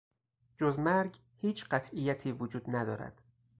جز مرگ هیچ قطعیتی وجود ندارد.